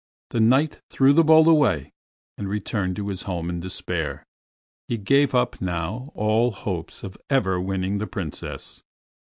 The Knight threw the bowl away and returned to his home in despair. He gave up now all hopes of ever winning the Princess.